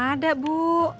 nggak ada bu